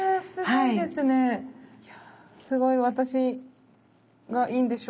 いやすごい私がいいんでしょうか。